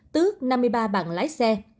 tước năm mươi ba bàn lái xe